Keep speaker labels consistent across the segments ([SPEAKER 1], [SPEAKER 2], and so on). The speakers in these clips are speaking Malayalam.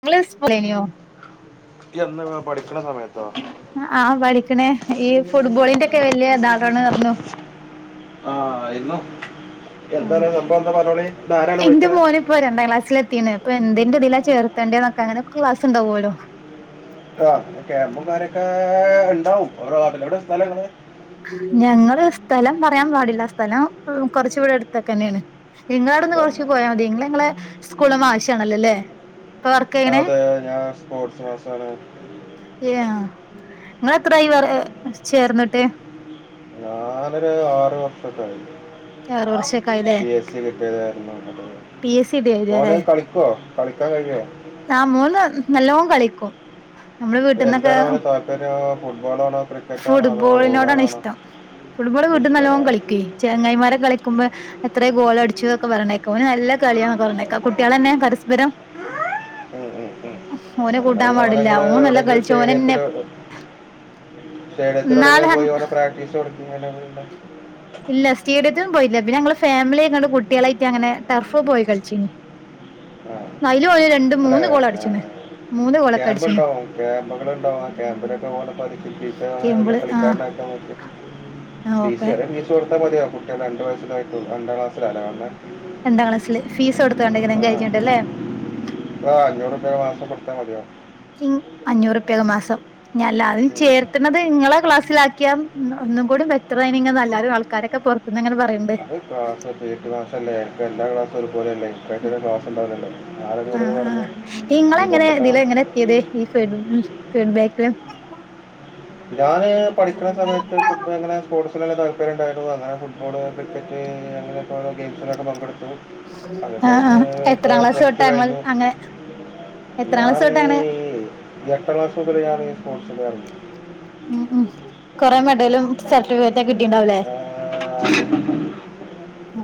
[SPEAKER 1] ഇങ്ങള് സ്പുലേ നിയൊ
[SPEAKER 2] യന്ന് പഠിക്കണ സമയ
[SPEAKER 1] ആഹ് പഠിക്ക്ണേ ഈ ഫുട്ബോളിന്റെക്കെ വലിയ ധാടാണ് പറ്ഞ്ഞു
[SPEAKER 2] ആഹ് യിന്നു
[SPEAKER 1] ഉം
[SPEAKER 2] എന്താറി സംഭവം എന്താ പറ്ഞ്ഞോളി ഇതാരാണ്
[SPEAKER 1] എന്റെ
[SPEAKER 2] വിളിക്ണ്
[SPEAKER 1] മോന് ഇപ്പോ രണ്ടാം ക്ലാസിൽ എത്തിണ് ഇപ്പൊ എന്തിന്റെതിലാ ചേർതണ്ടിന്നൊക്കെ അങ്ങനൊക്കെ ക്ലാസ് ണ്ടാവുല്ലോ
[SPEAKER 2] ആഹ് പൊ ക്യാമ്പും കാര്യൊക്കെ ണ്ടാവും ഓരോനാട്ടില് എവിടെ സ്ഥലങ്ങള്
[SPEAKER 1] ഞങ്ങള് സ്ഥലം പറയാൻ പാടില്ല സ്ഥലം കൊറച് ഇവടട്ത്തൊക്കന്നെണ് ഇങ്ങളവുട്ന്ന് കൊറച്ച്
[SPEAKER 2] തന്നെ.
[SPEAKER 1] പോയാ മതി നിങ്ങള ഞങ്ങളെ സ്കൂളമാഷാണല്ലേ ലേ ഇപ്പൊ വർക്കയ്യ്ണേ
[SPEAKER 2] പേ ഞാ സ്പോർട്സ് ക്ലാസ് ക്കാണ്
[SPEAKER 1] യ്യാ നിങ്ങളെത്രായി വർ ചേർന്ന്ട്ട്
[SPEAKER 2] ഞാനൊരു ആറ് വർഷോകായി
[SPEAKER 1] ആറ് വർഷൊക്കെ ആയില്ലേ
[SPEAKER 2] പി എ സി കിട്ടിയകാരണം
[SPEAKER 1] പി എസ് സി ഡി
[SPEAKER 2] [inaudible]
[SPEAKER 1] എഴുതിയല്ലേ
[SPEAKER 2] മോനഹ് കളിക്കോ കളിക്കാൻ കഴിയോ
[SPEAKER 1] ആഹ് മൂന്ന് നല്ലോം കളിക്കും നമ്മള്
[SPEAKER 2] അത്
[SPEAKER 1] വീട്ടിന്നൊക്കെ
[SPEAKER 2] എന്താണ് അവന് താല്പര്യം ഫുട്ബോളാണോ ക്രിക്കറ്റാണോ അതോ
[SPEAKER 1] ഫുട്ബോളിനോടാണ്
[SPEAKER 2] ഓടാനാണോ
[SPEAKER 1] ഇഷ്ടം ഫുട്ബോള് വീട്ടീന്ന്
[SPEAKER 2] ഇഷ്ടമല്ലേ
[SPEAKER 1] നല്ലോം കളിക്കുയ് ചേങ്ങായിമാരെ കളിക്കുമ്പോ എത്രേ ഗോളംടിച്ചുക്കെ പറി ണെക്കാ ഓൻ നല്ല കളിയാണ് പറി ണെക്കാ കുട്ടിളന്നെ പരസ്പരം ഓനെ കൂട്ടാ
[SPEAKER 2] അങ്ങനെയാണെങ്കിൽ ഓനെ
[SPEAKER 1] പാടില്ല
[SPEAKER 2] നിങ്ങൾ
[SPEAKER 1] ഓൻ നല്ല കളിച്ച് ഓനന്നെ ഇന്നാള്
[SPEAKER 2] സ്റ്റേഡിയത്തിലോടങ്കിലും പോയി ഓനെ പ്രാക്ടീസ് കൊട്കിം അ [unintelligible]
[SPEAKER 1] ഇല്ല സ്റ്റേഡിയത്തിം പോയില്ല പിന്നെ ഞങ്ങള് ഫാമിലിയായിങ്ങണ്ട് കുട്ടിളായിട്ട് അങ്ങനെ ടർഫ് പോയി കളിചിനി
[SPEAKER 2] ആ
[SPEAKER 1] അയില് ഓല് രണ്ട്‌
[SPEAKER 2] അല്ലേ
[SPEAKER 1] മൂന്ന് ഗോള് അടിച്ച്ണ് മൂന്ന് ഗോളൊക്കെ
[SPEAKER 2] ക്യാമ്പ്
[SPEAKER 1] അടിച്ച്ണ്
[SPEAKER 2] ഇണ്ടാവും ക്യാമ്പ്കള്ണ്ടാവും ആ ക്യാമ്പിലൊക്കൊ ഓനെ പഠിപ്പിച്ചേട്ടാ ഓനെ
[SPEAKER 1] കേമ്പിള് ആഹ്
[SPEAKER 2] വല്യകളിക്കാരനാക്കാ പറ്റും ഫീസ്
[SPEAKER 1] ഓക്കെ
[SPEAKER 2] ചെറയെ ഫീസ് കൊടുത്താൽ മതിയോ കുട്ടിക രണ്ട്‌ വയസ്സക്കെയിട്ട് രണ്ടാം ക്ലാസ്സിലാ ല്ലേ വേണ്ടേ
[SPEAKER 1] രണ്ടാം ക്ലാസില് ഫീസ് കൊടുത്തു കാണ്ട് എങ്ങനെ കഴിക്കണ്ടല്ലേ
[SPEAKER 2] ആഹ് അഞ്ചു റ് ർപ്യയ മാസം കെടുത്ത മതി
[SPEAKER 1] ക്കി അഞ്ഞൂറ് റപ്യ ക്കെ മാസം ഞ്ഞ് അല്ലാതെ
[SPEAKER 2] ഉം.
[SPEAKER 1] ചേർത്തണത് ഇങ്ങളെ ക്ലാസ്സിലാ ആക്കിയ ഒന്ന് ഒന്നും കൂടി ബെറ്റർ ഏനി ഇങ്ങെ എല്ലാരും ആൾക്കാരൊക്കെ പൊ
[SPEAKER 2] അത് ക്ലാസ് കേട്ട് ക്ലാസ്സല്ലേ ഇപ്പ എല്ലാ ക്ലാസ്സും ഒരു പോലെല്ലേ പയ്റ്റ ടെ ക്ലസ് ഉണ്ടാവു ലല്ലോ ആ രാ ഇങ്ങളൊട് ഇത് പറഞ്ഞേ ഈ പൊട്ടത്തരം
[SPEAKER 1] ന്നാ എത്തിയത് ഈ ഫീ [unintelligible] ഫീഡ്ബേക്ക്
[SPEAKER 2] ഞാന് പഠിക്കുണ സമയത്ത് കുട്ട്യയള ങ്ങനെ സ്പോർട്സൽ താല്പര്യംണ്ടായിരുന്നു അങ്ങനെ ഫുട്ബോള് ക്രിക്കറ്റ് അങ്ങനെയക്കെയള്ള ഗെയിംസിലൊക്കെ പങ്കെടുത്തു അത്
[SPEAKER 1] ആഹ്
[SPEAKER 2] കഴിഞ്ഞു
[SPEAKER 1] ആഹ്
[SPEAKER 2] ഇപ്പോ
[SPEAKER 1] എത്രാം ക്ലാസ്
[SPEAKER 2] പ്ലസ് ടു
[SPEAKER 1] തൊട്ടാ ഇങ്ങള്
[SPEAKER 2] കഴിഞ്ഞു
[SPEAKER 1] അങ്ങനെ എത്രാം ക്ലാസ്
[SPEAKER 2] ഞാന്
[SPEAKER 1] തൊട്ടാണ്
[SPEAKER 2] എട്ടാം ക്ലാസ് മുതൽ ഞാന് സ്പോർട സ് ല് എറങ്ങി
[SPEAKER 1] ഉം ഉം കൊറെേ മെഡലും സർട്ടിഫിക്കറ്റ്ക്കെ കിട്ടിട്ടുണ്ടാവുലേ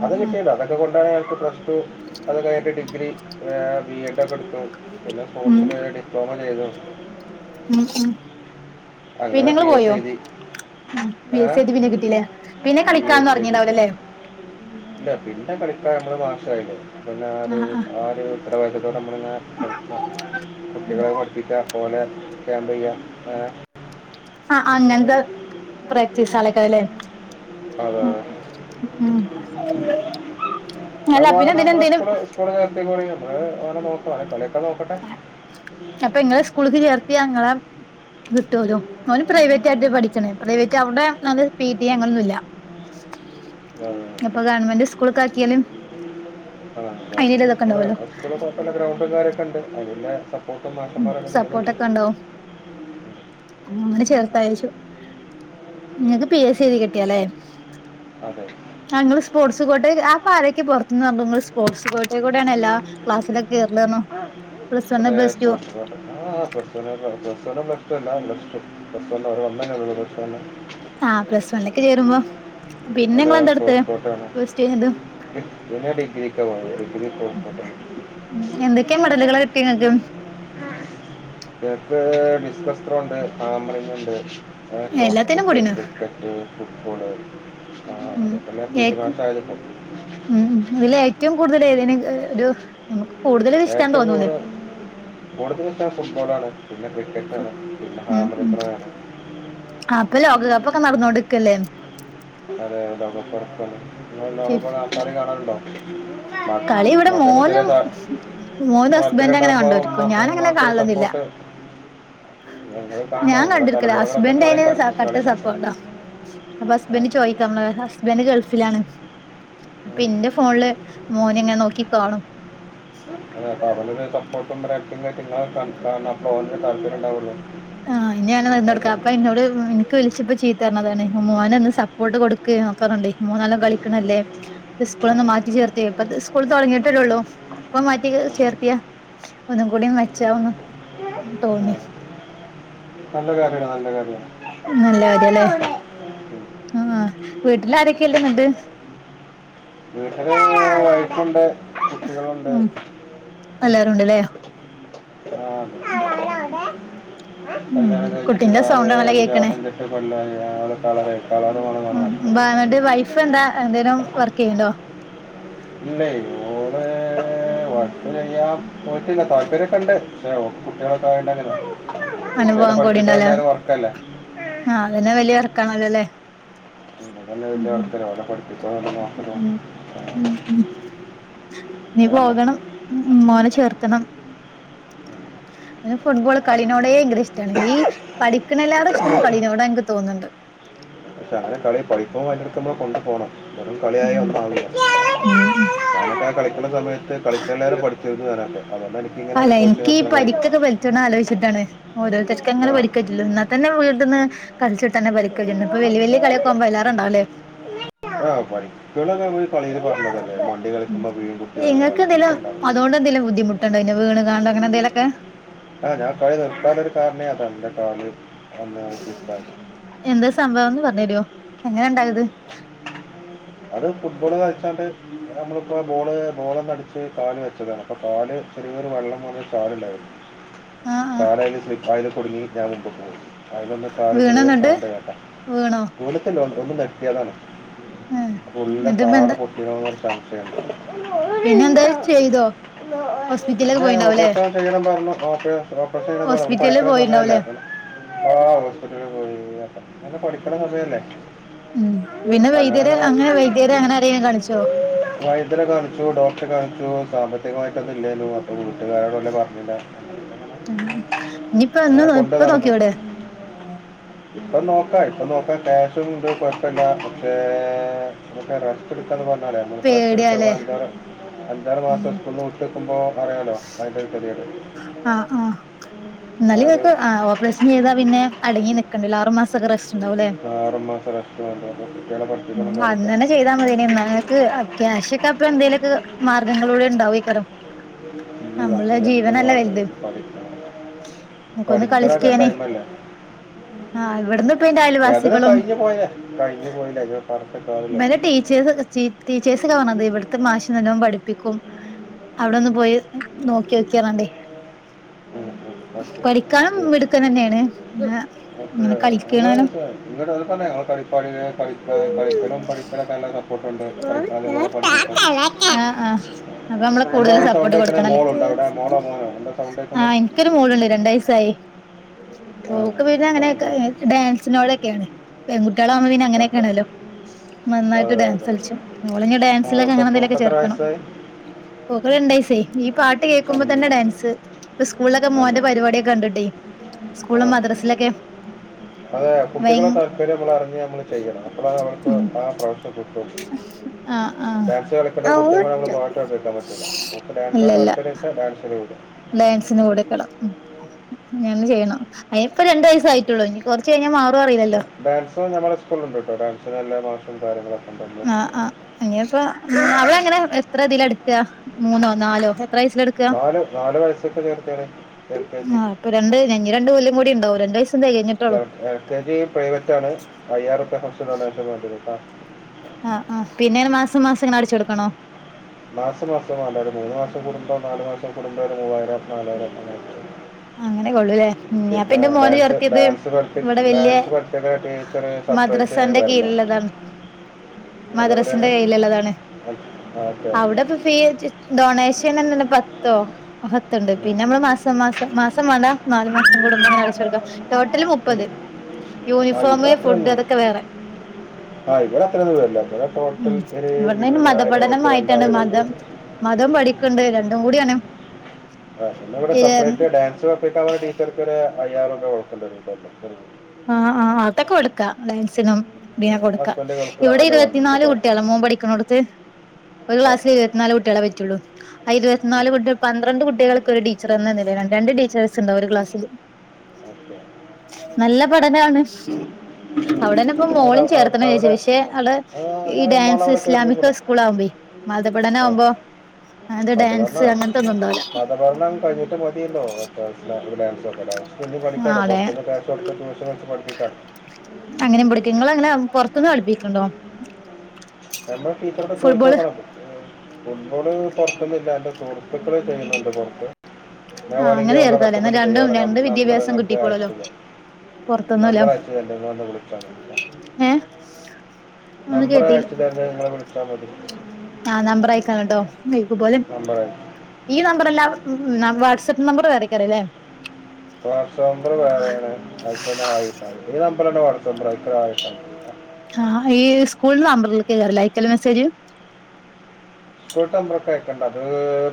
[SPEAKER 2] അത് കിട്ടി ണ്ടോ അതൊക്കെ കൊണ്ടാണ് ന്ക്ക് പ്ലസ് തു അത് കഴ്ഞ്ഞിട്ട് ഡിഗ്രി ഏഹ് ബി എഡ് ഒക്കെ ഇട്ത്തു പിന്നെ
[SPEAKER 1] ഉം
[SPEAKER 2] ഫോഴ്സ്ൽ ഒരു ഡിപ്ലോമ ചെയ്തു
[SPEAKER 1] ഉം ഉം പിന്നെ
[SPEAKER 2] അങ്ങനെ പി
[SPEAKER 1] ഇങ്ങള്
[SPEAKER 2] എസ് സി
[SPEAKER 1] പോയോ
[SPEAKER 2] എഴ്തി
[SPEAKER 1] ഉം പി എസ് സി എഴ്തി പിന്നെ കിട്ടിലെ പിന്നെ
[SPEAKER 2] ബി
[SPEAKER 1] കളിക്കാന്
[SPEAKER 2] എസ്
[SPEAKER 1] തൊടങ്ങിണ്ടാവൂലാ
[SPEAKER 2] എഴുതി
[SPEAKER 1] ലെ
[SPEAKER 2] ഇല്ല പിന്നെ കളിക്കാൻ നമ്മെ ൾ മാഷ് അയല്ലോ പിന്നെ ആ ഒരു
[SPEAKER 1] ആഹ് ആഹ്
[SPEAKER 2] ആ ഒരു ഇത്ര [unintelligible] ത്തോടെ നമ്മെൾ ഇങ്ങനെ [unintelligible] കുട്ടികളെം പഠിപ്പിക്കാ ഒലെ ക്യാമ്പ് ചെയ്യാ ഏഹ്
[SPEAKER 1] ആഹ് അങ്ങെൻത്ത പ്രാക്ടീസാൾ എയ്ക്കാരം ലെ
[SPEAKER 2] അതെ ഇന്നാ
[SPEAKER 1] അല്ല പിന്നെ
[SPEAKER 2] മോനെന്നാ നമ്മളെ
[SPEAKER 1] ഇതിനെന്തേലും
[SPEAKER 2] സ്ക്കൂൾ ഇപ്പ ഇവടെ കെട്ടി കുട്ങ്ങി നമ്മെൾ ഓനെ നോക്കും ഓന്റെ കളി ഒക്കെ നോക്കു
[SPEAKER 1] അഹെ അപ്പ ഇങ്ങെളെ സ്ക്കൂൾക്ക് ചേർത്തിയാ ഇങ്ങെളെ ഇത് കിട്ടോല്ലോ ഓന് പ്രൈവെറ്റ് ആയിട്ട് പഠിക്ക്ണേ പ്രൈവെറ്റ് അയുടെ ഇന്നാൽ പി ടി എ അങ്ങനെ ഒന്നും ഇല്ല
[SPEAKER 2] ഉം.
[SPEAKER 1] അപ്പ അയ് ഗവൺമെന്റ് സ്ക്കൂൾക്ക് ആക്കിയാൽ
[SPEAKER 2] ആഹ് [unintelligible] സ്ക്കൂൾ നമ്മളെ സ്ക്കൂൾ കൊഴ്പ്പ ഇല്ല ഗ്രൗണ്ടും കാരൊക്കെ ഇണ്ട് അയിന് ഇള്ളെ സ സ്ക്കൂൾത്തെ
[SPEAKER 1] ഉം
[SPEAKER 2] മാഷന്മാരോക്കെ [unintelligible]
[SPEAKER 1] ആഹ് ഇവനെ ചേർത്താ വിചാര്ച്ചു ഇങ്ങെക്ക് പി എസ് സി എഴ്തി കിട്ടിയാലെ
[SPEAKER 2] അതെ
[SPEAKER 1] ഞങ്ങള്ൾ സ്പോർട്സ് കോട്ടെ ആഹ് ഇങ്ങെൾ സ്പോർട്സ് കോട്ടെ കേ അപ്പ ആരൊക്കെ പൊർത്ത്ന്ന് പർണു ഇങ്ങെൾ സ്പോർട്സ് കോട്ടെ കൂടെ ആണ് എല്ലാ ക്ലാസ്സിലൊക്കെ കേർൽ പർണു പ്ലസ് വണ്ണ് പ്ലസ് ടു
[SPEAKER 2] വെണ്ണ് ആഹ് ആഹ് പ്ലസ് വെണ്ണ് പ്ലസ് പ്ലസ് വെണ്ണും പ്ലസ് ടും എല്ലാം ഇണ്ട് പ്ലസ് വണ്ണ് അവെര് വന്നെ അല്ലെ ഉള്ളു പ്ലസ് വണ്ണ്
[SPEAKER 1] ആഹ് പ്ലസ് വണ്ണ്ക്ക് ചേരുമ്പം പിന്നെ
[SPEAKER 2] അത്
[SPEAKER 1] ഇങ്ങെൾ എന്താ ഇട്ത്തെ?
[SPEAKER 2] സ്പോർട്സ് കോട്ടയാണ്
[SPEAKER 1] പ്ലസ് ടു കഴ്ഞ്ഞ്ട്ട്?
[SPEAKER 2] പിന്നെ ഞാൻ ഡിഗ്രിക്കാ പോയെത് ഡിഗ്രി [unintelligible]
[SPEAKER 1] തും
[SPEAKER 2] [unintelligible] ഡിസ്‌കസ് ത്രോ ഇണ്ട് ഹാമെറിങ്ങ് ഇണ്ട് അതായെത്
[SPEAKER 1] എല്ലാത്തിനും
[SPEAKER 2] ഷോർട്ട്പുട്ട്,
[SPEAKER 1] കൂടിനു
[SPEAKER 2] ക്രിക്കെറ്റ്, ഫുട്ബോൾ
[SPEAKER 1] ഉം ഏറ്റ ഉം അതിൽ ഏറ്റവും കൂട്തെൽ ഏതിന് ഏഹ് ഒരു ഞമ്മക്കു
[SPEAKER 2] ഏറ്റവും കൂട്തെൽ പോണെത് ചോയിച്ചാ ഫുട്ബോൾ ആണ്
[SPEAKER 1] ഫുഡ് ഉം ഉം
[SPEAKER 2] ത്രോയാണ്
[SPEAKER 1] ആഹ് ഇപ്പം ലോകകപ്പ് ഒക്കെ നടന്നോണ്ട്ക്ക അല്ലെ?
[SPEAKER 2] അതെ ലോകകപ്പ് നട്ക്കാണ്.
[SPEAKER 1] ഫിഫ
[SPEAKER 2] ഉമ്മ അറിയാം
[SPEAKER 1] കളി ഇവെടെ
[SPEAKER 2] മകന് ചെറിയ
[SPEAKER 1] മോനും
[SPEAKER 2] താ-
[SPEAKER 1] മോനും
[SPEAKER 2] താല്പര്യം
[SPEAKER 1] ഹസ്ബെന്റും അങ്ങനെ
[SPEAKER 2] ഉണ്ടാകുമ്പോൾ
[SPEAKER 1] കണ്ട്
[SPEAKER 2] ഉമ്മ
[SPEAKER 1] ഇര്ക്കും ഞാൻ അങ്ങനെ
[SPEAKER 2] ഉമ്മാക്കൊരു
[SPEAKER 1] കാൺലൊന്നും ഇല്ല
[SPEAKER 2] സപ്പോർട്ട് നിങ്ങൾ
[SPEAKER 1] ഞാൻ
[SPEAKER 2] കാണണം നിങ്ങളെ
[SPEAKER 1] കണ്ട്ര്ക്കെൽ ഇല്ല
[SPEAKER 2] തലമുറകളൊക്കെ
[SPEAKER 1] ഹസ്ബെന്റ്
[SPEAKER 2] കളി
[SPEAKER 1] അയിന്
[SPEAKER 2] കാണും
[SPEAKER 1] കട്ട
[SPEAKER 2] കളി കാണും
[SPEAKER 1] സപ്പോട്ടാ അപ്പ
[SPEAKER 2] ആ
[SPEAKER 1] ഹസ്ബെന്റ് ചോയിക്കാൻ പറിം ഹസ്ബെന്റ് ഗൾഫിലാണ്. അപ്പ
[SPEAKER 2] ഉം.
[SPEAKER 1] ഇന്റെ ഫോണ്ൽ മോന് ഇങ്ങനെ നോക്കി കാണും
[SPEAKER 2] അതെ പലരെ സപ്പോർട്ടും [unintelligible] ഇങ്ങളെ കൺ ഏഹ് ഇന്നാ അപ്പോ ഓന് താല്പര്യം ഇണ്ടാവൊള്ളു
[SPEAKER 1] ആഹ് ഇഞ് ഞാന് അഹ് പർഞ്ഞൊട്ക്കാ അപ്പ അഹ് ഇന്നോട് ഇൻ ക്ക് വിൾച്ചപ്പോ ചീത്ത പറഞ്ഞതാണ് ഓനെ ഒന്ന് സപ്പോട്ട് കൊട്ക്ക് ന്നൊക്കെ പർണാണ്ടെയ് മോ നല്ലോം കളിക്ക്ണെ അല്ലെ
[SPEAKER 2] ആ.
[SPEAKER 1] ഇസ്ക്കൂളൊന്ന് മാറ്റി ചേർത്തി ഇപ്പതെ ഇസ്ക്കൂൾ തൊട്ങ്ങീട്ട് അല്ലെ ഒള്ളു ഇപ്പ മാറ്റി ചേർത്തിയാ ഒന്നും കൂടി മെച്ചാവുന്ന്
[SPEAKER 2] ആ.
[SPEAKER 1] തോന്നി
[SPEAKER 2] നല്ല കാര്യ ആണ് നല്ല കാര്യ
[SPEAKER 1] നല്ല കാര്യല്ലേ
[SPEAKER 2] ആണ്
[SPEAKER 1] ആഹ് വീട്ട്ൽ ആരൊക്കെ ഇല്ലെയ് ഇന്നെട്ട്
[SPEAKER 2] വീട്ട്ൽ വൈഫ് ഇണ്ട് കുട്ടികളുണ്ട്
[SPEAKER 1] തെ ഓ
[SPEAKER 2] ആഹ്
[SPEAKER 1] ഉം
[SPEAKER 2] കല്യാണം കഴ്ഞ്ഞ്ട്ട് ഒര്
[SPEAKER 1] കുട്ടീന്റെ
[SPEAKER 2] ആറ്
[SPEAKER 1] സൗണ്ടാണല്ലോ
[SPEAKER 2] അഞ്ചാ
[SPEAKER 1] കേക്കണേ
[SPEAKER 2] അഞ്ചെ ട്ട് കൊല്ലായി ആൾ കളെറ് ചെ കളെറ് മാണം
[SPEAKER 1] ഉം ബാ ഇന്നെട്ട് വൈഫ് എന്താ എന്തെലും വർക്ക് ചെയ്യ്ണ്ടോ?
[SPEAKER 2] ഇല്ലെയ് ഓൾ വർക്ക് ചെയ്യാൻ പോയിട്ട് ഇല്ല താല്പര്യം ഒക്കെ ഇണ്ട് [unintelligible] ഓക്ക് കുട്ടിയാളൊക്കെ ആയോണ്ട് അങ്ങനെ കുട്ടിയാളെ
[SPEAKER 1] അനുഭവം കൂടി
[SPEAKER 2] പഠിപ്പിക്ക്ണെ
[SPEAKER 1] ഉണ്ടല്ലോ
[SPEAKER 2] എന്തായാലും വർക്ക് അല്ലെ
[SPEAKER 1] ആഹ് അതന്നെ വലിയ വർക്കാണല്ലോ ല്ലേ
[SPEAKER 2] പിന്നെ തന്നെ [unintelligible] അവിടെ പഠിപ്പിക്ക നോക്ക
[SPEAKER 1] ഉം ഉം ഉം നീ
[SPEAKER 2] ആന്ന
[SPEAKER 1] പോകണം മോനെ ചേർക്കണം മോന് ഫുട്ബോൾ നോട് ഭയങ്കര ഇഷ്ടമാണ് ഈ പഠിക്കണ ലേറെ ഇഷ്ടം കളിനോട് എനിക്ക് തോന്നുന്നുണ്ട്
[SPEAKER 2] പക്ഷെ അങ്ങനെ കളി പഠിപ്പും അതിൻ്റെ ഇടക്ക് കൊണ്ടു പോകണം വെറും കളിയായ
[SPEAKER 1] ഉം
[SPEAKER 2] ഒന്നും ആവില്ല
[SPEAKER 1] ഉം
[SPEAKER 2] ഞക്ക് ആ കളിക്കുന്ന സമയത്ത് കളിക്ക എല്ലരും പഠിച്ചിരുന്നു വാനട്ടെ അതുകൊണ്ട് എനക്ക് ഇങ്ങനെ ഒരു പൊസിഷൻ എത്താൻ കഴിഞ്ഞത്
[SPEAKER 1] ണം ആലോചിച്ചിട്ടാണ് ഓരോത്തർക്കും അങ്ങനെ
[SPEAKER 2] ആ
[SPEAKER 1] പരിക്കറ്റില്ലോ എന്നാൽ തന്നെ വീട്ടിൽന്ന് കളിച്ചിട്ട തന്നെ പരിക്ക വിരുന്നുപ്പ വലിയലിയ കളൊക്കെുമ്പോ എല്ലാരും ഉണ്ടാവുല്ലേ
[SPEAKER 2] ആഹ് പഠി [inaudible]
[SPEAKER 1] ഉം നല്ല ബുദ്ധിമു ഉണ്ടോന്നെ വീണ് കാണ്ടോങ്ങനെ എന്തേലൊക്കെ
[SPEAKER 2] ആഹ് ഞാൻ കളി നിർത്താൻ ഒരു കാരണമാ അത് ആണ് ന്റെ കാല് അന്ന് ശരിക്കാണ്
[SPEAKER 1] എന്താ സംഭവം ന്ന് പറഞ്ഞ് തരോ എങ്ങനെ ഉണ്ടായത്
[SPEAKER 2] അത് ഫുട്ബോള് കളിച്ചാണ്ട് നമ്മളിപ്പോ ബോള് ബോളന്ന് അടിച്ച് കാല് വെച്ചതാണ് അപ്പൊ കാല് ചെറിയരു വെള്ളം പോഞ്ഞൽ കാലില്ലായിരുന്നു
[SPEAKER 1] [inaudible] ആഹ്
[SPEAKER 2] കാലയിൽ സ്ലിപ്പ് അയിൽ കുടുങ്ങി ഞാൻ മുമ്പക് പോയി അതിനൊന്ന കാലിന്
[SPEAKER 1] വീണോ
[SPEAKER 2] ചെറിയൊരു
[SPEAKER 1] എന്നിട്ട്
[SPEAKER 2] സൗണ്ട് കേട്ട
[SPEAKER 1] വീണോ
[SPEAKER 2] [unintelligible] ഒന്ന് ഞെട്ടിയതാണ്
[SPEAKER 1] ഏഹ്
[SPEAKER 2] അപ്പ ഉള്ളെ
[SPEAKER 1] എന്നിട്ട് ഇപ്പ
[SPEAKER 2] പാടെ
[SPEAKER 1] എന്താ
[SPEAKER 2] പൊട്ടിക്കണ എന്നൊരു സംശയം ഉണ്ട്
[SPEAKER 1] പിന്നെ എന്തേലും ചെയ്തോ ഹോസ്പിറ്റലിലൊക്കെ
[SPEAKER 2] പിന്നെ
[SPEAKER 1] പോയിണ്ടാവുംല്ലേ
[SPEAKER 2] ഓപ്പറേഷൻ ചെയ്യണം എന്ന് പറഞ്ഞ് ഓ ഓപ്പറേഷൻ ചെയ്യ
[SPEAKER 1] ഹോസ്പിറ്റലിൽ
[SPEAKER 2] പഠിക്കുന്ന സമയം അല്ല
[SPEAKER 1] പോയിണ്ടാവുംല്ലേ
[SPEAKER 2] ആഹ് ഹോസ്പിറ്റല് പോയി [unintelligible] അന്ന് പഠിക്കണ സമയല്ലേ
[SPEAKER 1] ഉം പിന്നെ വൈദ്യര് അങ്ങനെ വൈദ്യരെ അങ്ങനെ ആരെങ്കിലും കാണിച്ചോ
[SPEAKER 2] വൈദ്യരെ കാണിച്ചു ഡോക്ടറെ കാണിച്ചു സാമ്പത്തികമായിട്ടൊന്നും ഇല്ലല്ലോ അപ്പ വീട്ടുകാരോടല്ലേ പറഞ്ഞില്ല
[SPEAKER 1] ഇനിയിപ്പ ഇന്ന്
[SPEAKER 2] അങ്ങനെ കൊണ്ട്
[SPEAKER 1] ഇപ്പ നോക്കിയോടെ
[SPEAKER 2] ഇപ്പ നോക്കാം ഇപ്പ നോക്കാം ക്യാഷും ഉണ്ട് കുഴപ്പില്ല പക്ഷേ നമുക്ക് റെസ്റ്റ് എടുക്കണന്ന് പറഞ്ഞാലേ
[SPEAKER 1] പേടിയാല്ലേ
[SPEAKER 2] നമ്മക്ക്റെസ്റ്റ് [unintelligible] അഞ്ച് ആറ് മാസം
[SPEAKER 1] ഉം
[SPEAKER 2] സ്കൂൾന്ന് വിട്ട് നിക്കുമ്പോ അറിയാലോ അതിന്റെ ച
[SPEAKER 1] എന്നാല ഇങ്ങക്ക് ആഹ് ഓപ്പറേഷൻ ചെയ്താ പിന്നെ അടങ്ങി നൽക്കണ്ടില്ല ആറു മാസം ക്ക റെസ്റ്റ് ണ്ടാവല്ലേ
[SPEAKER 2] ആറ് മാസം റെസ്റ്റ് വേണ്ടു അപ്പൊ കുട്ടികളെ പഠിപ്പിക്കണം കാര്യമൊക്കെ
[SPEAKER 1] അന്നന്നെ ചെയ്താ മതിന്ന് ന്നാ ഇങ്ങക്ക് അ ക്യാഷ ഒക്കെ അപ്പൊ എന്തേലുമൊക്കെ മാർഗങ്ങളൂടെ ഉണ്ടാവോക്കാനം
[SPEAKER 2] ഇവയാണ് രണ്ട് ഭാഗക്ക് പഠിക്കുന്നത് [unintelligible] [inaudible]
[SPEAKER 1] ഇങ്ങക്കൊന്ന്
[SPEAKER 2] പഠിക്കണേക്കെ
[SPEAKER 1] കളിക്കേന്
[SPEAKER 2] ടൈമല്ലേ
[SPEAKER 1] ആഹ് ഇവിടുന്ന് ഇപ്പ ഇന്റെ
[SPEAKER 2] ഏതായാലും
[SPEAKER 1] അയൽവാസികളും
[SPEAKER 2] കഴിഞ്ഞു പോയല്ല കഴിഞ്ഞ പോയില ഇന്പ്പോ പറഞ്ഞ് കാര്യല്ലല്ലോ
[SPEAKER 1] ചേ ചീറ്റീ ചേസ് ക വണത് ഇവിടുത്തെ മാഷ് നല്ലോം പഠി ഠിപ്പിക്കും അവിടൊന്ന് പോയി നോക്കി വേക്കറണ്ടേ
[SPEAKER 2] [inaudible]
[SPEAKER 1] പിന്നെ
[SPEAKER 2] പ
[SPEAKER 1] ഇങ്ങനെ കളിക്കണേനും
[SPEAKER 2] കള കളിക്കലും പഠിക്കനോക്കെ നല്ല സപ്പോർട്ടുണ്ട് കളിക്ക അതപോലെ പഠിപ്പിച്ചും
[SPEAKER 1] ആഹ് ആഹ് അപ്പൊ നമ്മള് കൂടുതൽ സപ്പോർട്ട് കൊടുക്കണല്ലേ
[SPEAKER 2] മോളുണ്ട് അവിടെ മോളോ മോനോ എന്താ സൗണ്ട് കേൾക്കണേ
[SPEAKER 1] ആഹ് ഇക്കൊരു മോളുണ്ട് രണ്ടയസ്സായി
[SPEAKER 2] ആ
[SPEAKER 1] ഓക് പിന്നെ
[SPEAKER 2] സൗണ്ട്
[SPEAKER 1] അങ്ങനെയൊക്കെ
[SPEAKER 2] കേൾക്കും
[SPEAKER 1] ഡാൻസിനോട്ക്കെയാണ് പെൺകുട്ടികള ആവുമ്പോ പിന്നെ അങ്ങനെയൊക്കെ
[SPEAKER 2] ഓക്കെ
[SPEAKER 1] ആണല്ലോ നന്നായിട്ട്
[SPEAKER 2] അതെ
[SPEAKER 1] ഡാൻസ്
[SPEAKER 2] അതെ അതെ
[SPEAKER 1] കളിച്ചും ഇവളെ ഞാൻ
[SPEAKER 2] ആ
[SPEAKER 1] ഡാൻസിലൊക്കെ
[SPEAKER 2] ഒക്കെ
[SPEAKER 1] അങ്ങനെന്തേലുക്കെ ചേർക്ക
[SPEAKER 2] [unintelligible]
[SPEAKER 1] ഓക്ക് രണ്ടേസായ് ഈ പാട്ട് കേൾക്കുമ്പോ തന്നെ
[SPEAKER 2] നന്ന
[SPEAKER 1] ഡാൻസ്. സ്കൂളിലൊക്കെ
[SPEAKER 2] നന്ന
[SPEAKER 1] മോന്റെ പരിപാടിയൊക്കെ കണ്ടിട്ടേ
[SPEAKER 2] ആ
[SPEAKER 1] സ്കൂളും മദ്രസിലൊക്കെ
[SPEAKER 2] അതെ
[SPEAKER 1] ഭയ
[SPEAKER 2] കുട്ടികളെ താല്പര്യം നമ്മൾ അറിഞ്ഞ് നമ്മള് ചെയ്യണം അപ്പോഴ അവർക്ക്
[SPEAKER 1] ഉം
[SPEAKER 2] ആഹ് പ്രൊഫ
[SPEAKER 1] ആഹ്
[SPEAKER 2] [unintelligible]
[SPEAKER 1] ആഹ്
[SPEAKER 2] ഡാൻസ് ക ഇപ്പത്തെ കുട്ട്യോക്ക് നമ്മൾ പാട്ട് [unintelligible] പറ്റില്ല ഓക് ഡാൻസ താല്പര്യച്ച ഡാൻസ്ന് വിടാ
[SPEAKER 1] ഡാൻസിന് കൊടുക്കണം മ് ഞ നെ ചെയ്യണം അയ്നിപ്പരണ്ട് വയസ്സ് ആയിറ്റൊള്ളൂ ഇനി കൊറച്ച് കഴിഞാമാറോ അറീലല്ലോ
[SPEAKER 2] പ്പോ നമ്മടെ സ്കൂൾ ഇണ്ട് ട്ടോ ഡാൻസ് ന് എല്ലാ മാസും കാര്യങ്ങളൊ
[SPEAKER 1] ആ ആ അങ്ങപ്പ അവള എങ്ങനെ എത്രതില ഇട്ക്ക മൂന്നോ നാലോ എത്ര വയസ്സിലാ
[SPEAKER 2] നാല് നാല് വയസ്സൊക്കെ ചേർത്തേണ് എൽ കെ ജി
[SPEAKER 1] ആഹ് അപ്പൊ രണ്ട് ഞഞ്ഞ രണ്ട് കൊല്ലം കൂടി ഇണ്ടാവും രണ്ട് വയസ്സ് തെകഞ്
[SPEAKER 2] L L K G private ആണ് അയ്യായിരം റുപ്യ ഫസ്റ്റ് ഡൊണേഷൻ വാണ്ടേരുട്ടോ
[SPEAKER 1] ആ ആ പിന്നെ മാസ മാസം ഇങ്ങനെ അടിച്ചു കൊടുക്കണോ
[SPEAKER 2] മാസം മാസം വാണ്ട ഒരു മൂന്ന് മാസം കൂടുമ്പോം നാല് മാസം കൂടുമ്പോ ഒരു മൂവ്വായിരം നാലായിരം
[SPEAKER 1] അങ്ങനെക്കൊള്ളൂല്ലേ മ്
[SPEAKER 2] പിന്നെ
[SPEAKER 1] അപ്പന്റെ മോന്
[SPEAKER 2] ഡാൻസ്
[SPEAKER 1] ചേർത്തിത്
[SPEAKER 2] ഡാൻസ് പഠിപ്പി
[SPEAKER 1] ഇവടെ വല്ല്യേ
[SPEAKER 2] ഡാൻസ് പഠിപ്പിക്കുന്ന ടീച്ചർ സെപ്പറേറ്റ്
[SPEAKER 1] മദ്രസന്റെ
[SPEAKER 2] വരില്ല
[SPEAKER 1] കീലിള്ളതാണ് മദ്രാസിന്റെ
[SPEAKER 2] അതെവിടെയാണ്
[SPEAKER 1] കീഴിൽള്ളതാണ്
[SPEAKER 2] ഓക്കെ
[SPEAKER 1] അവടെപ്പ ഫീ - ഡൊണേഷ്യൻന്നന്നന്നേ പത്തോ പത്ത്ണ്ട് പിന്നെ മ്മള് മാ മാസം മാസം മാസം വാണ്ട നാല് മാസം കൂടുമ്പ ങ്ങനെ അടച്ച് കൊടുക്കാ ടോട്ടല് മുപ്പത് യൂനിഫോമ് ഫുഡ് അതൊക്കെ വേറെ
[SPEAKER 2] ആഹ് ഇവടെ അത്രന്നും വര്ല ഇവടെ ടോട്ടൽ
[SPEAKER 1] ഉം
[SPEAKER 2] ഒര്
[SPEAKER 1] ഇവിടന്ന്
[SPEAKER 2] ഇര്പതിനായിരം
[SPEAKER 1] മതപഠനമായിട്ടാണ്
[SPEAKER 2] ഇരുപത്തിരണ്ടായിരം ഒക്കെ
[SPEAKER 1] മതം മതം പഠിക്ക്ണ്ട് രണ്ടും കൂടിയാണ്
[SPEAKER 2] ആഹ് പിന്ന ഇവടെ സപ്രറേറ്റ് ഡാൻസ് പറിപ്പിക്കാ വരണ ടീച്ചർക്ക് ഒര് അയ്യായിരം റുപ്യ കൊടുക്ക്ണ്ട് [unintelligible]
[SPEAKER 1] ആ ആ അതൊകൊടുക്കാ ഡാൻസിനും തിനെ കൊടുക്ക
[SPEAKER 2] ഹസ്ബൻഡ്
[SPEAKER 1] ഇവടെ
[SPEAKER 2] ഗൾഫിലാന്നല്ല പറഞ്ഞു ഇപ്പൊ
[SPEAKER 1] ഇരുവത്തിനാല് കുട്ട്യള
[SPEAKER 2] കുഴപ്പമില്ല
[SPEAKER 1] മോൻ പഠിക്ക്ണോട്ത്ത് ഒരു ക്ലാസ്സ്ൽ
[SPEAKER 2] ഓക്കെ
[SPEAKER 1] ഇരുവത്ത്നാല് കുട്ടോളേ പറ്റുള്ളൂ ആ ഇരുവത്ത്നാല് കുട്ടി പന്ത്രണ്ട് കുട്ടികൾക്ക് ഒരു ടീച്ചർ എന്ന നിലയിലാണ് രണ്ട് ടീച്ചേഴ്സ് ഇണ്ടാവും ഒരു ക്ലാസ്സില്
[SPEAKER 2] ഓക്കെ
[SPEAKER 1] നല്ല പഠനാണ് അവിടന്നെ ഇപ്പ മോളിം ചേർത്തണം
[SPEAKER 2] അവിടെ
[SPEAKER 1] വിചാരി ക്ഷെ അവടെ
[SPEAKER 2] ആ,
[SPEAKER 1] ഈ
[SPEAKER 2] അങ്ങനെ മോൾ
[SPEAKER 1] ഡാൻസ്
[SPEAKER 2] അവിടെ കയറി
[SPEAKER 1] ഇസ്ലാമിക്
[SPEAKER 2] കൂടെ
[SPEAKER 1] സ്കൂൾ ആവുമ്പേ മതപഠന
[SPEAKER 2] ആ
[SPEAKER 1] ആവുമ്പോ അൻത്തെ ഡാൻസ് അങ്ങനത്തെ ഒന്നും ഉണ്ടാവുല
[SPEAKER 2] മത പഠനം കഴിഞ്ട്ട്മതിയല്ലോ [unintelligible] ഡാൻസോക്കെ [unintelligible] പഠിക്കാലോ
[SPEAKER 1] ആളെ
[SPEAKER 2] പൊറത്ത്ന്ന് ക്യഷ് കൊട്ത്ത് റ്റ്യൂഷ്യൻ വെച്ച് പഠിപ്പിക്കാലേ
[SPEAKER 1] അങ്ങനേം പടിക്ക ഇങ്ങൾ എങ്ങനെ പൊറത്ത്ന്ന് പഠിപ്പിക്ക്ണ്ടോ
[SPEAKER 2] നമ്മള് ടീച്ചറോട് ചോയിച്ചോക്കണം ഫുട്ബോള് പൊർത്തിന്നില്ലാണ്ട് സ്കൂൾ [unintelligible] ചെയ്യുന്നുണ്ട് പൊറത്ത് ഞാ
[SPEAKER 1] ആഹ്
[SPEAKER 2] വേണങ്കി
[SPEAKER 1] അങ്ങനെ
[SPEAKER 2] അവടെ
[SPEAKER 1] ചേർത്താലേ എന്നാ
[SPEAKER 2] റെക്കമെൻഡ് ചെയ്യാ
[SPEAKER 1] രണ്ടും
[SPEAKER 2] അവരെ
[SPEAKER 1] രണ്ട്
[SPEAKER 2] നമ്പർ
[SPEAKER 1] വിദ്യാഭ്യാസം
[SPEAKER 2] നിങ്ങക്ക്
[SPEAKER 1] കിട്ടിക്കോളല്ലോ
[SPEAKER 2] അയച്ച് ത
[SPEAKER 1] പുറത്തൊന്നുംല്ല
[SPEAKER 2] നമ്പർ അയച്ച് തരണ്ട് നിങ്ങളൊന്ന് വിളിച്ചാ മന്തിട്ടോ
[SPEAKER 1] ഒന്ന് കേട്ടീല
[SPEAKER 2] [unintelligible] ങ്ങളെ വിളിച്ചാ മതി
[SPEAKER 1] ആഹ് നമ്പർ അയക്കണട്ടോ വെക്കുമ്പോലേ
[SPEAKER 2] നമ്പർ അയച്ചു
[SPEAKER 1] ഈ നമ്പറെല്ല വാട്സപ്പ് നമ്പർ വേറെഅയ്കാരംലേ
[SPEAKER 2] വാട്സാപ്പ് മ്പർ വേറെണ് അയ്കൊന്ന് ഹായ് വിട്ടാ മതി [unintelligible]
[SPEAKER 1] ആഹ് ഈ സ്കൂൾ നമ്പറില്ക്ക് ഐകാരം ലേ ഐകൽ മെസ്സേജ്
[SPEAKER 2] സ്കൂള്‌ത്ത നമ്പർക്ക് ആയക്കണ്ട അത്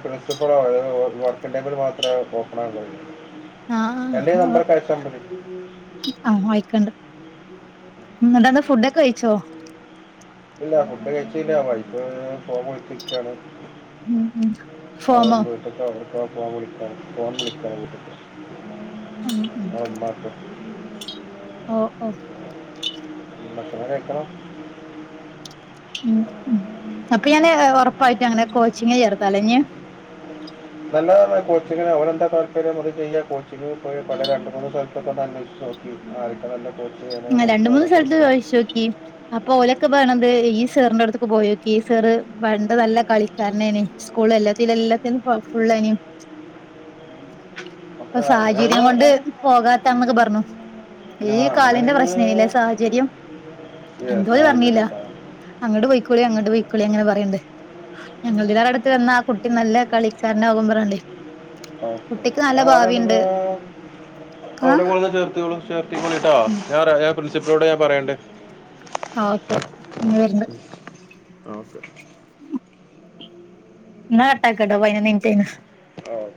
[SPEAKER 2] പ്രി ഇപ്പോ വർക്ക്ണ്ടങ്കിൽ മാത്രമേ നോക്ക് ണേ ഒള്ളു എന്റെ ഈ
[SPEAKER 1] ആഹ്
[SPEAKER 2] നമ്പറ്ക്ക് അയച്ചാ മതി
[SPEAKER 1] ആഹ് വായിക്കണ്ട് എന്ന്ട്ടെന്താ ഫുഡൊക്കെ കഴിച്ചോ
[SPEAKER 2] ഇല്ല ഫുഡ് കഴിച്ചില്ല വൈഫ് ഫോൺ വിളിച്ചിക്കാണ് [unintelligible]
[SPEAKER 1] ഉം ഉം
[SPEAKER 2] [unintelligible]
[SPEAKER 1] ഫോമോ
[SPEAKER 2] എവ്ട് ക്കോ ഫോ വിളിക്കാണ് ഫോൺ വിളിക്കാൺ വീട്ട്ക്ക്
[SPEAKER 1] ഉം ഉം ഓ ഓ
[SPEAKER 2] ഭക്ഷണം കഴിക്കണം
[SPEAKER 1] ഉം, ഉം അപ്പൊ ഞാന് ഉറപ്പായിട്ടങ്ങനെ കോച്ചിങിന് ചേർത്താലഞ്ഞ്
[SPEAKER 2] നല്ലതാണ് കോച്ചിങ്ങ് ഓരെന്താ താല്പര്യം അത് ചെയ്യുക കോച്ചിങ്ങ് പോയ പല രണ്ട് മൂന്ന് സ്ഥലത്തൊക്കെ ഒന്നന്വേഷിച്ചു നോക്ക മ് ആദ്യത്തെ നല്ല കോച്ച് ചെയ്യണെ നോക്ക അവിടെ കൊടുക്ക
[SPEAKER 1] ക്കേ അപ്പൊ ഓലൊക്കെ പർണത് ഈ സേറിന്റെ അടുത്തേക്ക് പോയോക്കി ഈ സെറ് പണ്ട് നല്ല കളിക്കാരനെയിനി സ്കൂൾ എല്ലാത്തിനും എല്ലാത്തിനും ഫു ഫുള്ളേനി ഇപ്പൊ
[SPEAKER 2] ഒക്കെ
[SPEAKER 1] സാഹചര്യം
[SPEAKER 2] അങ്ങനെ
[SPEAKER 1] കൊണ്ട് പോകാത്താന്നൊക്കെ പറഞ്ഞു ഈ
[SPEAKER 2] അങ്ങനെ
[SPEAKER 1] കാലിന്റെ
[SPEAKER 2] നിങ്ങൾ
[SPEAKER 1] പ്രശ്നേയിലെ സാഹചര്യം, എന്തോ പറഞ്ഞില്ല
[SPEAKER 2] സാഹചര്യം ഇതാണ്.
[SPEAKER 1] അങ്ങട് പോയിക്കൊളി, അങ്ങട് പോയിക്കൊളി അങ്ങനെ പറയ്ണ്ട് ഞങ്ങളുടെടുത്ത് വന്ന ആ കുട്ടി നല്ല കളിക്കാരനാകും പറഞ്ഞണ്ട്
[SPEAKER 2] [unintelligible]
[SPEAKER 1] ആ
[SPEAKER 2] എവിടെ കൊടന്ന് ചേർത്തികാൾ ചേറ് ട്ടാ ഞാൻ [unintelligible] പ്രിൻസിപ്പിളിനോട് ഞാൻ പറയണ്ട്
[SPEAKER 1] ഓക്കെ ഇഞ് വരണ്ട്
[SPEAKER 2] ഓക്കെ
[SPEAKER 1] ന്നാ കട്ടാക്കട്ടെ, പായിനൊന്ന് മിനിറ്റ് കയിഞ്ഞ്
[SPEAKER 2] ആഹ്